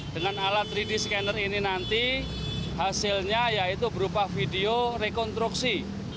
dengan alat tiga d scanner ini nanti hasilnya yaitu berupa video rekonstruksi